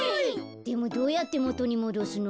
でもどうやってもとにもどすの？